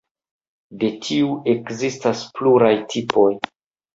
De tiu ekzistas pluraj tipoj.